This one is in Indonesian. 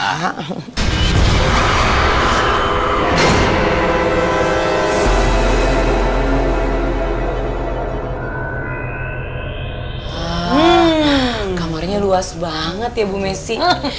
hmm kamarnya luas banget ya bu messi